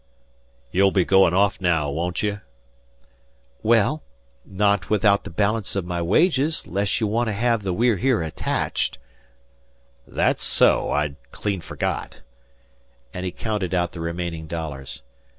"You'll be goin' off naow, won't ye?" "Well, not without the balance of my wages, 'less you want to have the We're Here attached." "Thet's so; I'd clean forgot"; and he counted out the remaining dollars.